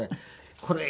これ。